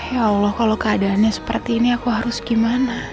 ya allah kalau keadaannya seperti ini aku harus gimana